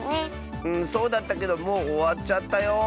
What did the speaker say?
うんそうだったけどもうおわっちゃったよ。